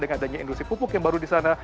dengan adanya industri pupuk yang baru di sana